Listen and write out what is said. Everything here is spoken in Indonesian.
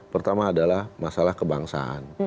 pertama adalah masalah kebangsaan